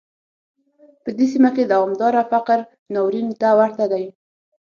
په دې سیمه کې دوامداره فقر ناورین ته ورته دی.